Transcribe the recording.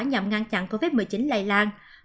nhằm ngăn chặn covid một mươi chín lây lan